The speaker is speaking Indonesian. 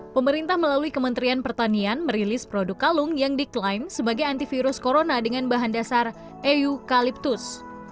pemerintah melalui kementerian pertanian merilis produk kalung yang diklaim sebagai antivirus corona dengan bahan dasar eukaliptus